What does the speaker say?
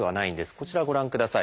こちらご覧ください。